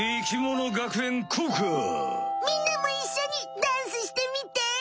みんなもいっしょにダンスしてみて！